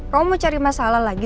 kamu mau cari masalah lagi